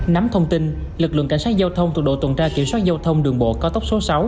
nắm thông tin lực lượng cảnh sát giao thông thuộc đội tuần tra kiểm soát giao thông đường bộ cao tốc số sáu